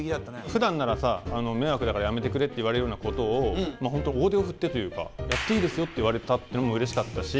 ふだんならさ迷惑だからやめてくれって言われるようなことを本当大手を振ってというかやっていいですよって言われたっていうのもうれしかったし。